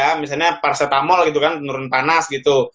bapak minum obat ya misalnya paracetamol gitu kan turun panas gitu ya